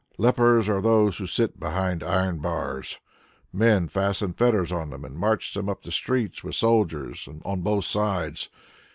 Lepers are those who sit behind iron bars. Men fasten fetters on them and march them up the streets with soldiers on both sides.